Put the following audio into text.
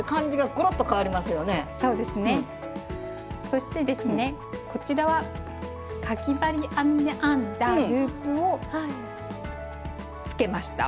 そしてですねこちらはかぎ針編みで編んだループを付けました。